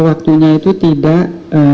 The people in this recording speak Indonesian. waktunya itu tidak